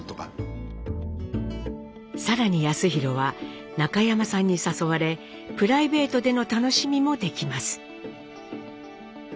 更に康宏は中山さんに誘われプライベートでの楽しみもできます。